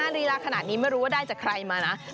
รีลาขนาดนี้ไม่รู้ว่าได้จากใครมานะ